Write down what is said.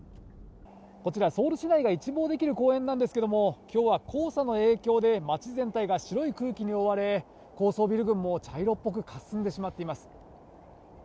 こちら、ソウル市内が一望できる公園なんですけれども、きょうは黄砂の影響で、町全体が白い空気に覆われ、高層ビル群も茶色っぽくかすんでしまっています。